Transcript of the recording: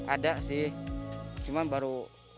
ada sih cuma baru